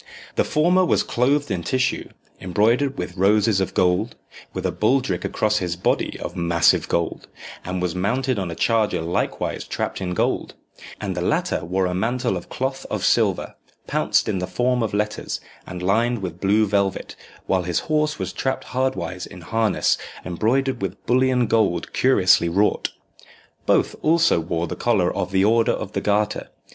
The former was clothed in tissue, embroidered with roses of gold, with a baldric across his body of massive gold, and was mounted on a charger likewise trapped in gold; and the latter wore a mantle of cloth of silver, pounced in the form of letters, and lined with blue velvet, while his horse was trapped hardwise in harness embroidered with bullion gold curiously wrought. Both also wore the collar of the Order of the Garter.